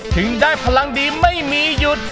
ถึงได้พลังดีไม่มีหยุด